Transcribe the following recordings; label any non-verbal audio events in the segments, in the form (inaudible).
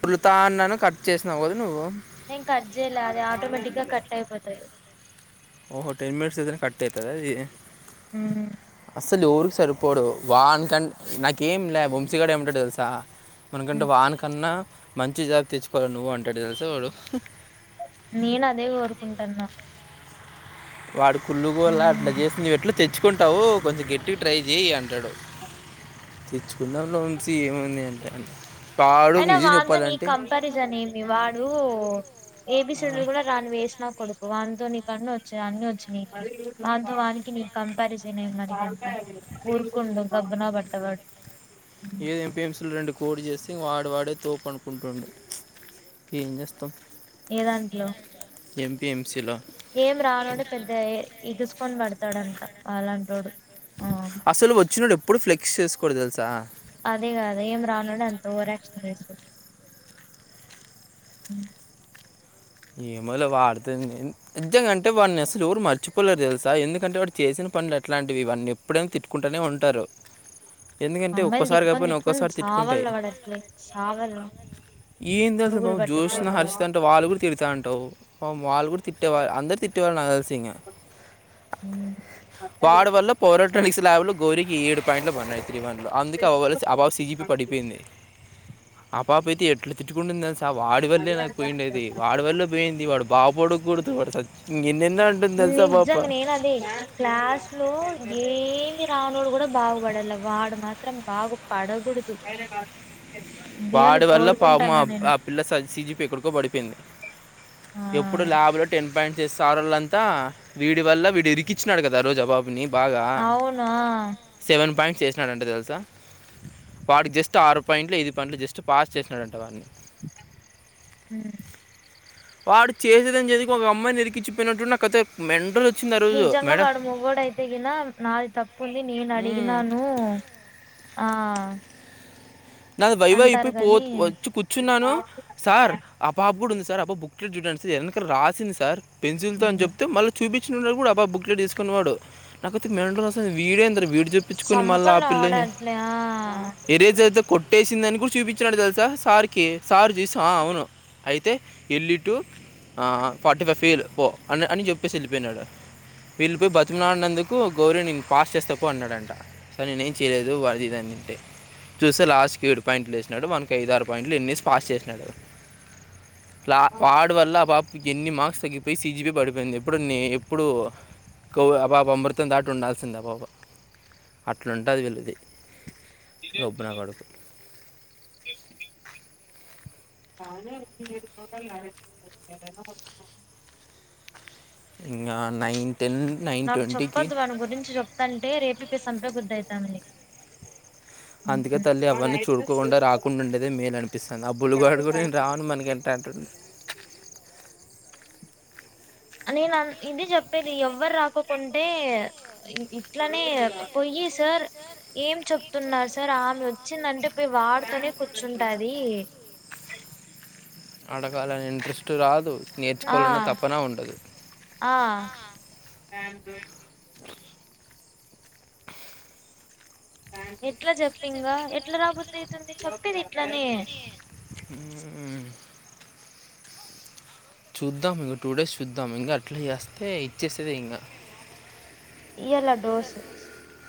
పిలుస్తా ఉన్నా కట్ చేసినావు కదా నువ్వు నేను కట్ చేయలే అది ఆటోమేటిక్గా కట్ అయిపోతాది ఓహో టెన్ మినిట్స్ అయితేనా కట్ అయితాదా అది ఉహు అసలు ఓరికి సరిపోడు వాని కం నాకేం లే వంశీగాడు ఏమంటాడో తెలుసా మనకంటే వాని కన్నా మంచి జాబ్ తెచ్చుకోవాలి నువ్వు అంటాడు తెలుసా వాడు నేను అదే కోరుకుంటన్నా వాడు కుళ్ళుగోలా అట్లా చేసి ఎట్లు తెచ్చు తెచ్చుకుంటావు కొంచెం గట్టిగా ట్రై చేయి అంటాడు తెచ్చు పిల్లలలో నుంచి ఏమైంది అంటే అం అయినా వానీ తో నీకు కంపారిజన్ ఏంది వాడు ఏబి సి డి లు కూడా రాని వేస్ట్ నా కొడుకు వానితో నీకు అన్ని వచ్చి అన్ని వచ్చినాయి వాని తో వానికి నీకు కంపారిజన్ ఏంది మరి ఊరికు ఉండు గబ్బున బట్ట వాడు ఏది ఎంపీ ఎన్ సుల రెండు కోడు చేస వాడి వాడే తోపు అనుకుంటుండు ఏం చేస్తాం ఏ దాంట్లో ఎంపీఎంసీలో ఏం రానోడు పెద్ద ఏ ఇగుసుకొని పడుతాడంట అలాంటోడు అసలు వచ్చినోడు ఎప్పుడు ఫ్లెక్స్ చేసుకోడుతెలుసా అదే గాధ ఏం రానోడు అంతా ఓవరాక్షన్ (unintelligible) ఏమోలే వాడితో ఏంది నిజంగా అంటే వాన్ని అసలు ఎవరు మర్చిపోలేరు తెలుసా ఎందుకంటే వాడు చేసిన పండ్లు అట్లాంటివి ఇవన్నీ ఎప్పుడే ఎం తిట్టుకుంటనే ఉంటారు అమ్బ తిట్క తిట్క చవల్ వడట్లే చవల్ ఏం తెలుసు బాబు జోష్ణ హరీష్ అంటే వాళ్ళ కూడా తిడుతు వాళ్ళు కూడా తిట్టేవాళ్ళు అందరుూ తిట్టేవాళ్ళ నా తెలిసి ఇంగా వాడు వల్ల పోరాట్రానిక్స్ ల్యాబ్ లో గోరికి ఏడు పాయింట్లు పన్నాయి (unintelligible) అందుకే అవ్వవలసి అ పాప సిజీపి పడిపోయింది ఆ పాప అయితే ఎట్లా తిట్టుకుంటుంది అస వాడి వల్లే నాకు పోయిండేది వాడి వల్లే పోయింది వాడు బాగుపడక కూడుదు వాడు సా నిజంగా నేను అదే క్లాస్ లో ఏ ఏమి రానోడు కూడా బాగుపడాల వాడు మాత్రం బాగా పడకూడదు వాడి వల్ల పాపం ఆ పిల్ల స సిజిపి ఎక్కడికో పడిపోయింది ఎప్పుడు ల్యాబ్ లో టెన్ పాయింట్ సారొళ్ళు అంత వీడి వల్ల వీడు ఇరికించినాడు కదా ఆరోజు ఆ పాప ని బాగా అవును సెవెన్ పాయింట్ చేసినాడు అంట తెలుసా వాడికి జస్ట్ ఆరు పాయింట్లు ఐదు పాయింట్లు జస్ట్ పాస్ చేసినాడు అంట వాడిని హు వాడు చేసేదాన్ని చేసి చేసి ఒక అమ్మాయి ఇరికిచ్చిపోయిన నాకు అదే మెంటల్ నిజంగా వాడు మగ్గోడు అయితే గిన నాది తప్పు ఉంది నేను అడిగినాను ఆహ నాది వైవ అయిపోయి పో వచ్చి కూర్చున్నాను సార్ ఆ పాప కూడా ఉంది సార్ ఆ బా బుక్ లేట్ చూడండి సార్ ఎనకాల రాసింది సార్ పెన్సిల్ తో అని చెప్తే మళ్ళీ చూపిం డు కూడా అబా బుక్ లేట్ తీసుకునే వాడు నాకైతే మెంటల్ వస్తోంది వీడేందిరా వీడు చెప్పించుకొని మళ్ళా ఆ పిల్ల ఏ ఎరేజర్ తే కొట్టేసిందని కూడా చూపించినాడు తెలుసా సార్ క సార్ చూస అవును అయి అయితే ఇల్లు ఇటు ఆ ఫార్టీ ఫైవ్ ఫీల్ పో అని చెప్పేసి వెళ్ళిపోయినాడు పిలిపి బతిమిలాడినందుకు గౌరీ నేను పాస్ చేస్తా పో అన్నాడంట సో నేనే ఏం చేయలేదు అది ఇది అని అంటే చూసి లాస్ట్ కి ఏడు పాయింట్లు వేసినాడు మనకి ఐదు ఆరు పాయింట్లు ఎన్ని ఏసి పాస్ చేసినాడో వాడు వల్ల ఆ పాపకి గిన్ని మార్క్స్ తగ్గిపోయి సీజీపీ పడిపోయింది ఇప్పుడు ని ఇప్పుడు కో ఆ పాప అమృతం దాటి ఉండాల్సిందే ఆ పాప అట్లాంటది వీళ్ళది గబ్బు నా కొడుకు ఓకే ఓకే (unintelligible) వెయ్యి రూపాయలు నావే (unintelligible) ఇగా నైన్ నాకు చెప్పొద్దు వాని గురించి చెప్తంటే రేపే పోయి చంపెయ్యబుద్ది అయితాంది అందుకే తల్లి ఎవరిని చూడకోకుండా రాకుండా ఉండేదే మేను అనిపిస్తుంది అబ్బులు కూడా నేను రాను మనకెంట టడి (inaudible) నేను ఇది చెప్పేది ఎవ్వరు రాకోకుంటే ఇట్లనే పోయి పొయ్యి సార్ ఏం చెప్తున్నారు సార్ ఆమె వచ్చిందంటే పోయి వాడుతోనే కూర్చుంటాది (inaudible) అడగాలని ఇంట్రెస్ట్ రాదు నేర్చుకోవాలన్నా తపన ఉండదు (inaudible) ఎట్లా చెప్పింగా ఎట్లా రాబుద్ధి అయితుంది చెప్పేది ఇట్లనే చూద్దాం ఇంకో టూ డేస్ చూద్దాం ఇంగా అట్లా చేస్తే ఇచ్చేసేదే ఇంగా ఇయాల డోసు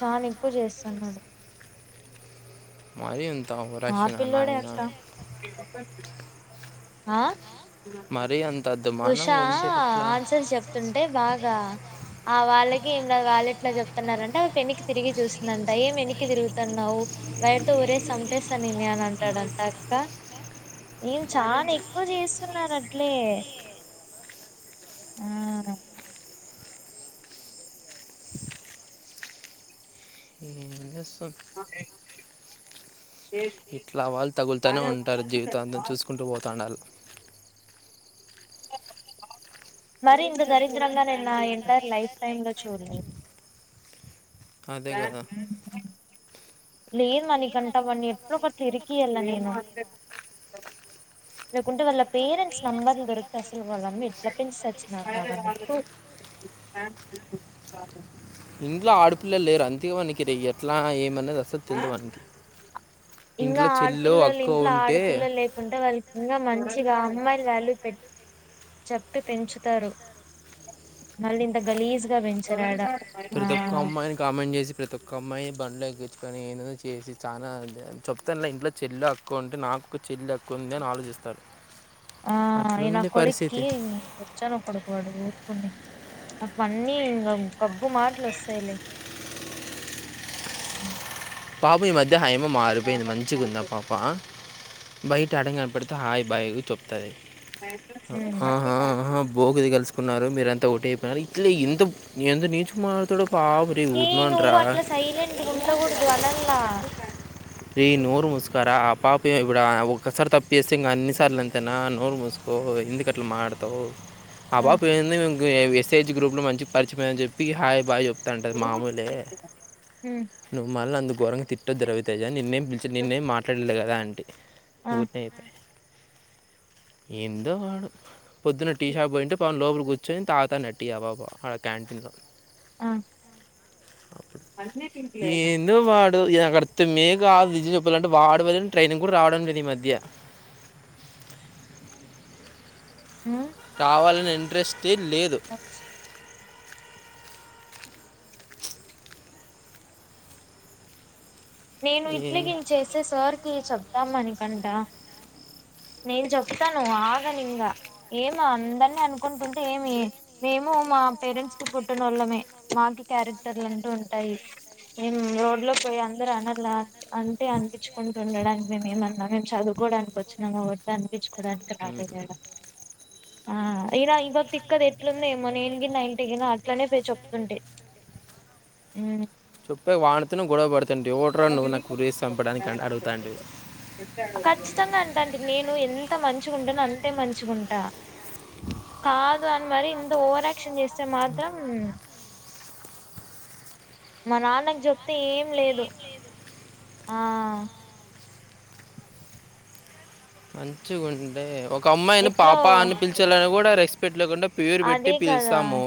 చానా ఎక్కువ చేస్తుంది ఆమె మాది ఉంది ఆ పిల్లోడే అట్లా ఆ మరి అంత ఉషా ఆన్సర్ చెప్తుంటే బాగా ఆ వాళ్ళకి ఏ వాలెట్ లో చెప్తున్నారంటే అది వెనిక్కి తిరిగి చూసిందంట ఏం వెనిక్కి తిరుగు అన్నావు వైరుతో ఊరేసి చంపేస్తా నిన్నీ అని అంటాడంట అక్క చానా ఎక్కువ చేస్తున్నారు అట్లే ఆవునా (inaudible) ఏం చేస్తూ ఇట్లా వాళ్ళు తగులుతానే ఉంటారు జీవితాంతం చూసుకుంటూ పోతుండాలే మరి ఇ దరిద్రంగా నేను నా ఎంటైర్ లైఫ్ టైమ్ లో చూడలేదు గా ప్లీజ్ మణికంఠ వాన్ని ఎట్లా అట్లా ఇరికియాల్ల నేను లేకుంటే వాళ్ళ పేరెంట్స్ నెంబర్లు దొరుకుతే అసలు వాళ్ల అమ్మ ఎట్లా పెంచి సచ్చినోదో (unintelligible) ఇంట్లో ఆడపిల్లలు లేరు అందుకే వానికి ఇది ఎట్లా ఏమీ అనేది అస్సలు తెలీదు వానికి (inaudible) ఇంగా ఆడపిల్లలు ఇంట్లో ఆడపిల్లలు లేకుంటే వాళ్ళకి ఇంగా మంచిగా అమ్మాయిల వాల్యూ చెప్పి పెంచుతారు మళ్ళ ఇంత గలీజ్గా పెంచరు ఆడ ప్రతి ఒక్క అమ్మాయిని కామెంట్ చేసి ప్రతి ఒక్క అమ్మాయి బండ్లో కని ఏ చేసి చాలా చెప్తున్నా ఇంట్లో చెల్లో అక్కో ఉంటే నాకు చెల్లి అక్క ఉంది అని ఆలో చిస్తాడు ఆఈనా కొడుక్కి బచ్చలో కొడుకువాడు ఊకోని నాకు అన్నీ గబ్బు మాటలు వస్తాయిలే ఉ పాపం ఈ మధ్య హైమ మారిపోయింది మంచిగుంది ఆ పాప బయట ఏడైనా కనబడితే హాయ్ బాయ్ అని చెప్తాది ఆహ బోకుది కలుసుకున్నారు మీరంతా ఒకటై డైరెక్ట్లీ ఎంత ఎంత నీచుగా మాట్లాడుతాడో ఏ నువ్వు అట్లా సైలెంట్గా ఉండకూడదు అనాలా నోరు ముస్తారా అ పాపే ఇప్పుడు ఒక్కసారి తప్పు చేస్తే ఇంక అన్నిసార్లు అంతేనా నోరు మూసుకో ఎందుకు అట్లా మాటడతావు ఆ పాప ఏంది గ్రూప్ లో మంచి పరిచయయింది అని చెప్పి హాయ్ బాయ్ చెప్ తంటది మామూలే నువ్వు మళ్ళీ అంత ఘోరంగా తిట్టదు రవి తేజ నిన్నేం పచ నేన్నే మాట్లాడలే కదా అంటే ఊరి అయిపోయి ఏందో వాడు పొద్దున్న టీ షాప్ పోయింటే పన్ లోపల కూర్చొని తాతనాడు టీ అ పాప ఆ క్యాంటీన్లో ఆ అన్నీ పింపులేద అర్థమే కాదు నిజం చూప్పాలింటే వాడవలేని ట్రైనింగ్ కూడా రావడం లే ఈ మధ్య కావాలని ఇంట్రెస్ట్ ఏ లేదు నేను సార్కి చెప్దాం అనుకంట నేను చెప్తాను ఆగనింగ ఏమో అందరినీ అనుకుంటుంటే ఏమి మేము మా మా పేరెంట్స్ కి పుట్టన వాళ్ళమే మాకి క్యారెక్టర్ అంటూ ఉంటాయి మేం రోడ్ లో పోయ అందరు అనలా అంటే అనిపించుకుంటు ఉండడానికి మేము ఏమన్నా మేము చదువుకోవడానికి వచ్చినాము వద్దని అనిపించుకోవడానికి రాలేదు యడ ఆ అయి ఇడ తిక్కది ఎట్లుందో ఏమో నేను గీన్న అయింటే గిన అట్లనే పో చెప్తుంటే ఉ చెప్పే వంతిన గొడవ పడుతుంటే ఎవాడురా నువ్వు నాకు ఊరి వేసి చంపడానికి అడుగుతింటే ఖచ్చితంగా అంటాంటీ నేను ఎంత మంచిగు ఉంటాను అంతే మంచిగుంటా కాదు అని మరి ఇంత ఓవరాక్షన్ చేస్తే మాత్రం మా నాన్నకు చెప్తే ఏం లేదు ఆ. మంచిగుంటే ఒక్ ఒక అమ్మాయిని పాప అని పిలిచాలని కూడా రెస్పెక్ట్ లేకుండా పేరు పెట్టి పిలిస్తాము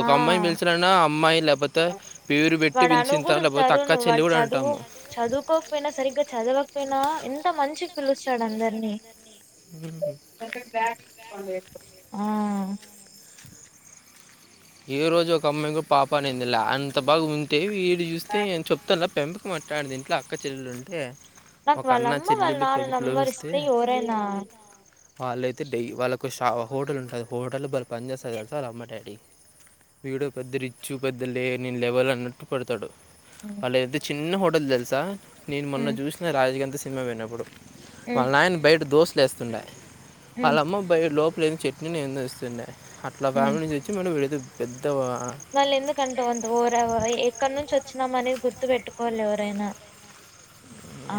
ఒక అమ్మాయి పిచినన్న అమ్మాయి లేపోతే పే వాడు అనుగూడదు తరుణ్ వాడు చదువు చదువుకోకపోయినా సరిగ్గా చదవకపోయినా ఎంత మంచి పిలుస్తాడు అందరినీ ఆ ఏ రోజు ఒక అమ్మాయి కూడ పాప అనేందిలే అంత బాగా ఉంటే వీడు చూస్తే నేను చెప్తాను పెంపకం అట్టంటిది ఇంట్లో అక్క చెల్లులు ఉంటే ఒక అన్న చెల్లిల్లి పిలుపులిస్తే వాళ్ళైతే డై వాళ్ళకు షా హోటల్ ఉంటుంది హోటల్లో వాళ్ పని చేస్తారు సార్ వాళ్ళ అమ్మ డాడీ వీడో పెద్ద రిచ్ పెద్ద లేనిను లెవల్ అన్నట్టు పెడతాడు వాళ్ళ ఏదైతే చిన్న హో (unintelligible) తెలుసా నేను మొన్న చూసిన రాజు గంతో సినిమా పోయినప్పుడు వాళ్ళ నాయన బయట దోస్ లేస్తుండా వాళ్ళమ్మ లోపల ఏదో చట్నీని ఏందో ఇస్తుండే అట్లా ఫ్యామిలీ నుంచి వచ్చి మన వీడేదో పె మళ్ళీ ఎందుకంటావు అంతా ఓరా ఓర ఎక్కడ నుంచి వచ్చినామ అనేది గుర్ గుర్తు పెట్టుకోలి ఎవరైనా ఆ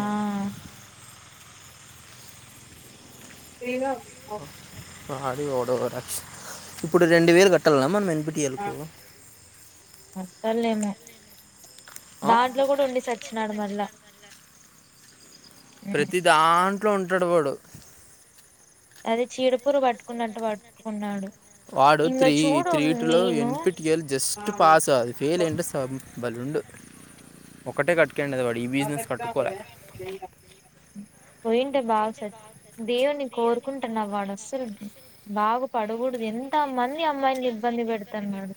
(unintelligible) అది ఒడేఓఇప్పుడు రెండు వేలు కట్టాల మనం కట్టలేమో దాంట్లో కూడ ఉండి సచ్చినాడు మళ్ళ ప్రతి దాంట్లో ఉంటాడు వాడు అది చీడపూరుగు పట్టుకున్నట్టు పట్టుకున్నాడు వాడు త్రీ త్రీ టు లో ఎన్పిటిలు జస్ట్ పాస్ ఫెయిల్ అయింటే బలుండు ఒకటే కట్టు పోయివుంటే బాగ దేవున్ని కోరుకుంటున్నా వాడు అసలు బాగు పడకూడదు ఎంత మంది అమ్మాయి ఇబ్బంది పెడుతున్నాడు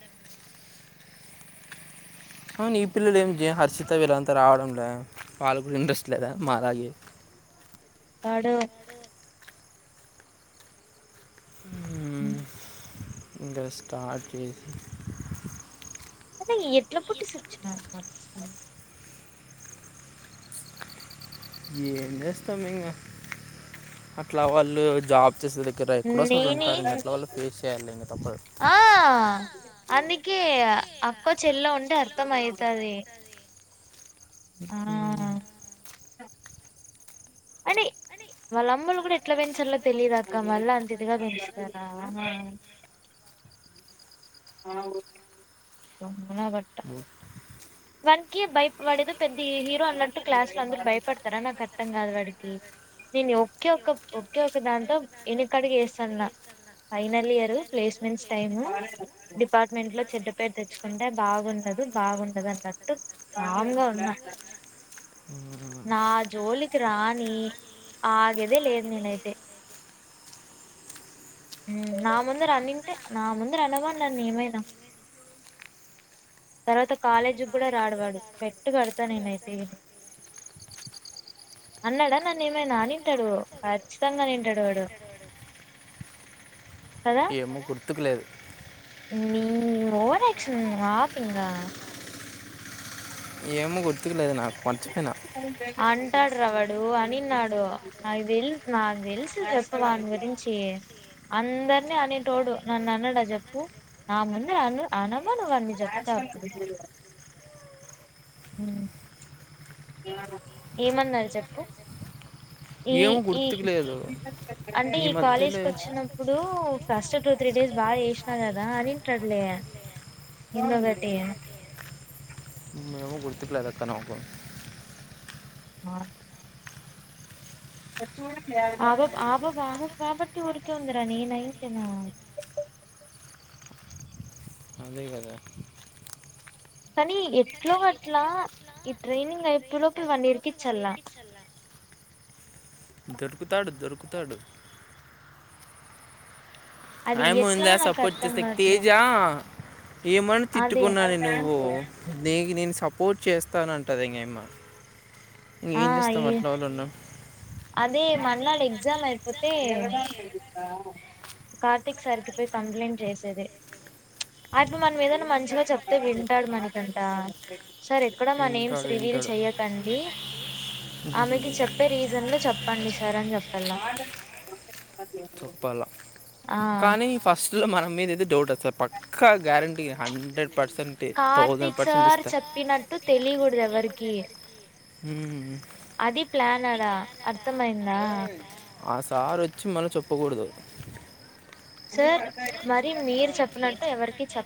అవును ఈ పిల్లలు ఏం జే హర్షిత విలంత రావడంలే వాళ్ళ కూడా ఇంట్రెస్ట్ లేదా మాలాగే ఆడు ఇగ స్టార్ట్ చేసి ఎట్లా పుట్టి సచ్ (unintelligible) ఏం చేస్తాం ఇంగ అట్లా వాళ్ళు జాబ్ వచ్చేస్ దగ్గర ఎక్కడో ఒక సారి ఉంటారు ఇంక అట్ల వాళ్ళు ఫేస్ చేయాలి ఇంక తప్పుధు అందుకే అక్కో చెల్ల ఉంటే అర్థం అయితది ఉమ్ అండి వాళ్ళ అమ్మలు కూడా ఎట్లా పెంచల్ల తెలీదక్క మళ్ళీ అంతగా పెంచుతారా డోంగనవట్ (unintelligible) భయ వాడేదో పెద్ద హీరో అన్నట్టు క్లాస్ లో అందరు భయపడతారా నాకు అర్థం కాదు వాడికి నేను ఒకే ఒక ఒకే ఒక దాంతో నేను ఎనకడుగు వేస్తాన్నా final year placement time department లో చెడ్డ పేరు తెచ్చుకుంటే బాగుండదు బాగుండదు అన్నట్టు కమ్గా ఉన్నా నా జోలికి రాణి ఆ ఆగేదే లేదు నేనైతే ఉమ్ నా ముంధ రా అనింటే నా ముంధరా అనమను ఏయ్ మైనా తర్వాత కాలేజీ కూడా రాడవాడు బెట్టు కడతాను నేనయితే నేను అన్నాడా నన్న ఏమైనా అనింటాడు ఖచ్చితంగా ఎ అనింటాడు వాడు ఏమో గుర్తుకు లేదు న ఓరాక్షన్ ఆపింగా ఏమో గుర్తుకు లేదు నాకు మర్చిపోయినా ఇంటాడు ర వడు అనిన్నాడు నాకు తెలు నాకు తెలుసు చెప్పవాని గురించి అందరినీ అనిటోడు నన్ను అన్నడా చెప్పు నా ముందర అనమనువని చెప్పు ఏమన్నారు చెప్పు ఈ ఈ అంటే ఈ కాలేజ్ కు వచ్చినప్పుడు ఫస్ట్ టూ త్రీ డేస్ బాగా చేశానా కదా అనింటడలే ఇంకో ఒగటి గుర్తి లేదక నకు మా ఆబబ ఆబబాన కాబట్టి ఊరికే ఉందిరా నేన అయితేనా అది కదా కానీ ఎట్లో గట్లా ఈ ట్రైనింగ్ అయిపోలోపు వాన్నీ ఇరికించల్ల దొరుకుతాడు దొరుకుతాడు అయ ముందా సపోర్ట్ చే సక్ తేజా ఏమని తిట్టుకున్నాను నువ్వు నీ నేను సపోర్ట్ చేస్తాన అంటంది ఇంగమ్మ ఇంక ఏం చేస్తాం అట్లా వాళ్ళు ఉన్నాం అదే మన్నాడు ఎగ్జామ్ అయిపోతే కార్తిక్ సర్కి కంప్లైంట్ చేసేది (unintelligible) మన ఏదనా మంచిగా చెప్తే వింటాడు మనకంట సరే అక్కడ మా నేమ్స్ రివీల్ చెయ్యకండి ఉ చెప్పే రీజన్ లో చెప్పండి సార్ అని జెప్పల్ల చొప్పల్ల కానీ ఫస్ట్ లో మన మీద అయితే డౌట్ వస్తది పక్కా గ్యారెంటీగ హండ్రెడ్ కార్తీక్ సార్ చెప్పినట్టు తెలిగూడదు ఎవరికి హూ రా అర్థమైంద ఆ సారొచ్చి మళ్ళ చెప్పగూడదు సార్ మరి మీరు చెప్పినట్టు ఎవరికి చప్